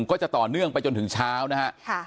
ก็จะต่อเนื่องไปจนถึงเช้านะฮะ